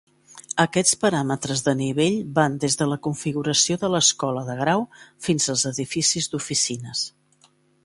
Aquests paràmetres de nivell van des de la configuració de l'escola de grau fins als edificis d'oficines.